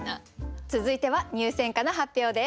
続いては入選歌の発表です。